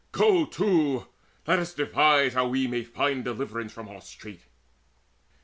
Go to, let us devise How we may find deliverance from our strait.